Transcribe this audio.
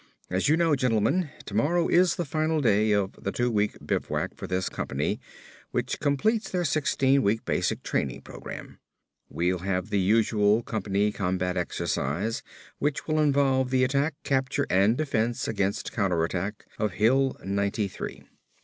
As you know, gentlemen, tomorrow is the final day of the two week bivouac for this company which completes their sixteen week basic training program. We'll have the usual company combat exercise which will involve the attack, capture and defense against counterattack of Hill Ninety three."